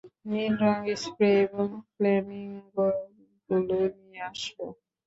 নীল রং, স্প্রে আর ফ্লেমিঙ্গোগুলো নিয়ে আসবো।